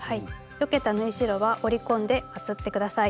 よけた縫い代は折り込んでまつって下さい。